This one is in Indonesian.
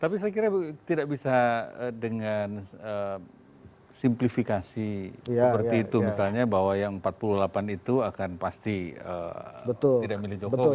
tapi saya kira tidak bisa dengan simplifikasi seperti itu misalnya bahwa yang empat puluh delapan itu akan pasti tidak milih jokowi